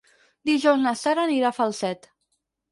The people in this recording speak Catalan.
Dijous na Sara anirà a Falset.